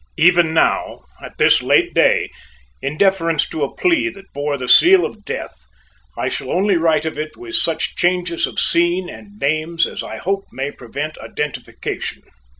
Even now, at this late day, in deference to a plea that bore the seal of death, I shall only write of it with such changes of scene and names as I hope may prevent identification.